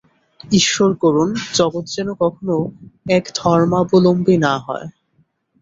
ঈশ্বর করুন, জগৎ যেন কখনও একধর্মাবলম্বী না হয়।